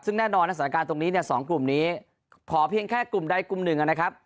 ซึ่งแน่นอนสถานการณ์ตรงนี้เนี่ยสองกลุ่มนี้พอเพียงแค่กลุ่มใดกลุ่มหนึ่งนะครับ